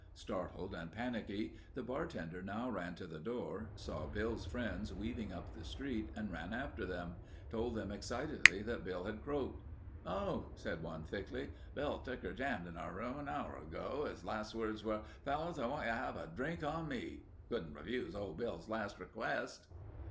Startled and panicky, the bartender now ran to the door, saw Bill's friends weaving up the street and ran after them, told them excitedly that Bill had croaked. "Oh," one said thickly. "Bill's ticker jammed in our room an hour ago. His last words were, 'Fellows, I want you to have a drink on me.' Couldn't refuse old Bill's last request."